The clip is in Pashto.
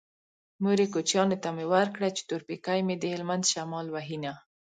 مورې کوچيانو ته مې ورکړه چې تور پېکی مې د هلبند شمال وهينه